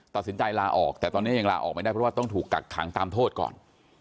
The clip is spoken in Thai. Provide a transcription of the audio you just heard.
ตัดสินใจลาออกแต่ตอนนี้ยังลาออกไม่ได้เพราะว่าต้องถูกกักขังตามโทษก่อน